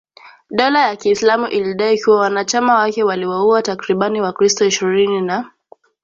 dola ya kiislamu ilidai kuwa wanachama wake waliwauwa takribani wakristo ishirini na